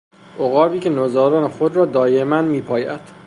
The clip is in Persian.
عقابی که نوزادان خود را دایما میپاید.